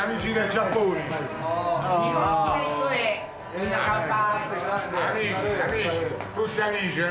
みんな乾杯！